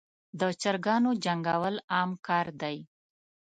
دچراګانو جنګول عام کار دی.